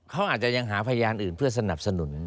เขาอาจจะยังหาพยานอื่นเพื่อสนับสนุน